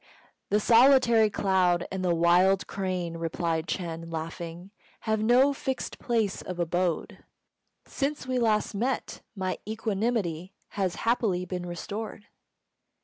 "The solitary cloud and the wild crane," replied Ch'êng, laughing, "have no fixed place of abode. Since we last met my equanimity has happily been restored."